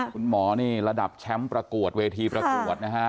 คุณหมอนี่ระดับแชมป์ประกวดเวทีประกวดนะฮะ